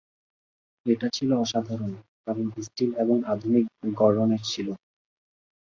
এটা ছিল অসাধারণ কারণ স্টিল এবং আধুনিক গড়নের ছিল।